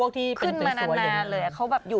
พวกที่เป็นสวยเลยอ่ะเขาแบบอยู่แค่นี้เลย